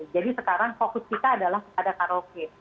jadi sekarang fokus kita adalah pada karaoke